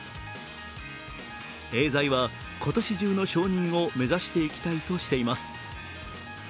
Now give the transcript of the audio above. エーザイは今年中の承認を目指していきたいとしています。